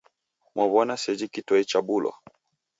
Mwaw'ona sejhi kitoi chabulwa?